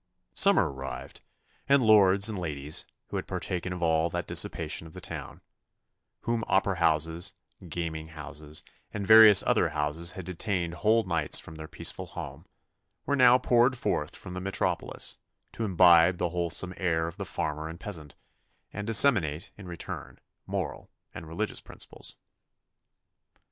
Summer arrived, and lords and ladies, who had partaken of all the dissipation of the town, whom opera houses, gaming houses, and various other houses had detained whole nights from their peaceful home, were now poured forth from the metropolis, to imbibe the wholesome air of the farmer and peasant, and disseminate, in return, moral and religious principles.